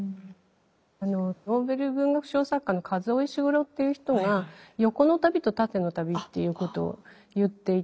ノーベル文学賞作家のカズオ・イシグロっていう人が「横の旅と縦の旅」っていうことを言っていて。